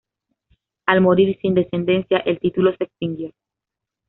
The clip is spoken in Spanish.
Al morir sin descendencia el título se extinguió.